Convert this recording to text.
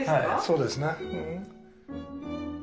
そうですね。